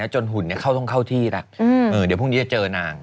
หุ่นต้องเข้าที่แล้วเดี๋ยวพรุ่งนี้จะเจอนาง